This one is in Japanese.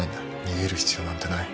逃げる必要なんてない。